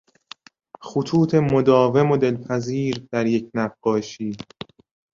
خطوط مداوم و دلپذیر در یک نقاشی